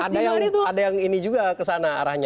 karena ada yang ini juga kesana arahnya